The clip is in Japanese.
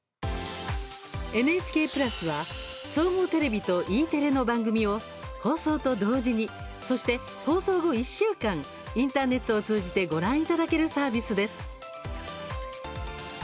ＮＨＫプラスは総合テレビとＥテレの番組を放送と同時にそして、放送後１週間インターネットを通じてご覧いただけるサービスです。